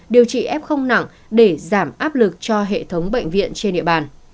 điều trị f nặng để giảm áp lực cho hệ thống bệnh viện trên địa bàn